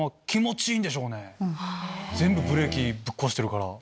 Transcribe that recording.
全部ブレーキぶっ壊してるから。